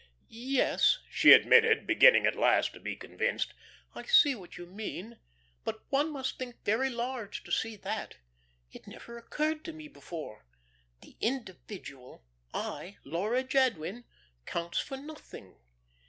"Yes," she admitted, beginning at last to be convinced, "I see what you mean. But one must think very large to see that. It never occurred to me before. The individual I, Laura Jadwin counts for nothing.